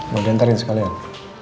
gue udah ntarin sekalian